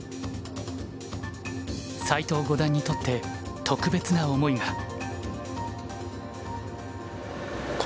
斎藤五段にとって特別な思いが。